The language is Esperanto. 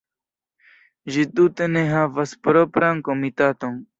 Ĝi tute ne havas propran komitaton.